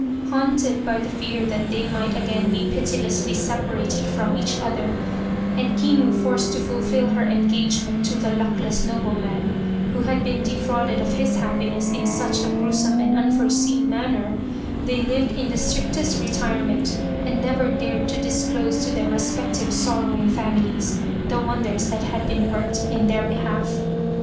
Haunted by the fear that they might again be pitilessly separated from each other, and Kinu forced to fulfil her engagement to the luckless nobleman, who had been defrauded of his happiness in such a gruesome and unforeseen manner, they lived in the strictest retirement and never dared to disclose to their respective sorrowing families the wonders that had been worked in their behalf.